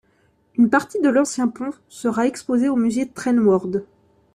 Une partie de l'ancien pont sera exposée au musée Train World.